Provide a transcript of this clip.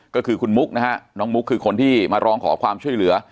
ก็คือคุณมุกนะฮะน้องมุกคือคนที่มาร้องขอความช่วยเหลือ